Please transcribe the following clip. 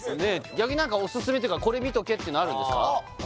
逆に何かおすすめっていうかこれ見とけっていうのあるんですか？